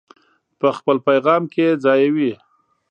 په خپل پیغام کې یې ځایوي.